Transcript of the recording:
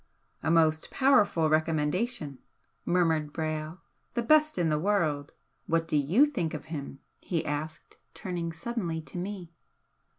"A most powerful recommendation!" murmured Brayle "The best in the world! What do YOU think of him?" he asked, turning suddenly to me.